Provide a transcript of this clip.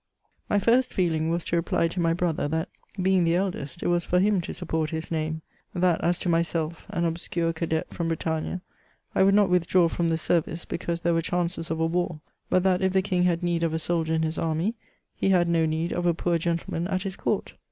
My first feeling was to reply to my brother, that, being the eldest, it was for him to support his name ; that as to myself, an obscure cadet from Bretagne, I would not with draw from the service, because there were chances of a war ; but that if the King had need of a soldier in his army, he had no need of a poor gentleman at his court.